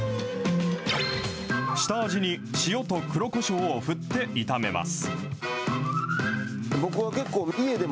下味に塩と黒こしょうを振って炒めます。